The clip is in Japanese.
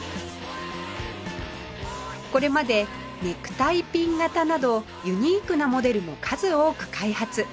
これまでネクタイピン型などユニークなモデルも数多く開発